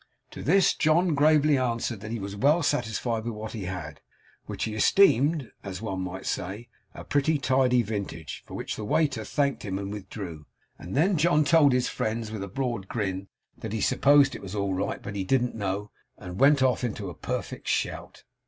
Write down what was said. To this John gravely answered that he was well satisfied with what he had, which he esteemed, as one might say, a pretty tidy vintage; for which the waiter thanked him and withdrew. And then John told his friends, with a broad grin, that he supposed it was all right, but he didn't know; and went off into a perfect shout.